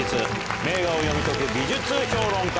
名画を読み解く美術評論家